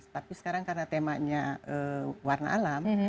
tapi sekarang karena temanya warna alam